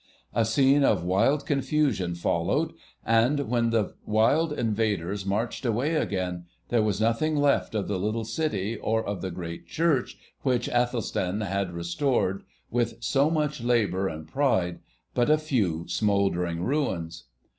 A scene of wild confusion followed, and when the wild invaders marched away again there was nothing left of the little city or of the great church which Æthelstan had restored with so much labour and pride but a few smouldering ruins.